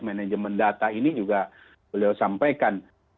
manajemen data ini juga boleh disampaikan